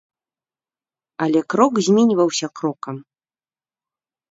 Але крок зменьваўся крокам.